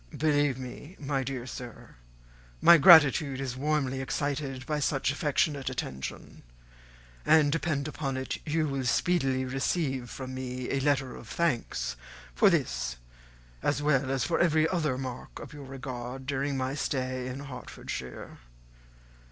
"Believe me, my dear sir, my gratitude is warmly excited by such affectionate attention; and, depend upon it, you will speedily receive from me a letter of thanks for this as well as for every other mark of your regard during my stay in Hertfordshire.